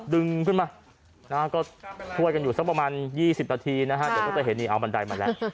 ดึงขึ้นมาก็ช่วยกันอยู่สักประมาณ๒๐นาทีนะฮะเดี๋ยวก็จะเห็นนี่เอาบันไดมาแล้ว